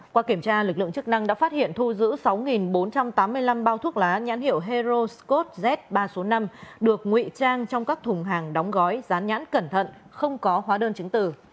qua kiểm tra lực lượng chức năng đã phát hiện thu giữ sáu bốn trăm tám mươi năm bao thuốc lá nhãn hiệu hero scot z ba trăm sáu mươi năm được ngụy trang trong các thùng hàng đóng gói rán nhãn cẩn thận không có hóa đơn chứng từ